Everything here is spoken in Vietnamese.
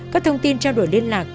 các thông tin trao đổi liên lạc